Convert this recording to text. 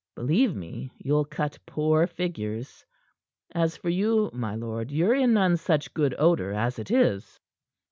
Believe me, you'll cut poor figures. As for you, my lord, ye're in none such good odor, as it is."